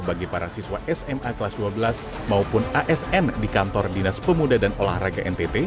bagi para siswa sma kelas dua belas maupun asn di kantor dinas pemuda dan olahraga ntt